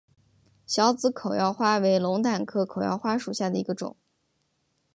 小籽口药花为龙胆科口药花属下的一个种。